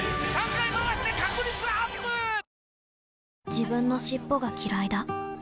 自分の尻尾がきらいだ